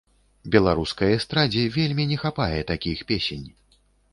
Беларускай эстрадзе вельмі не хапае такіх песень.